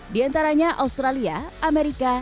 di antaranya australia amerika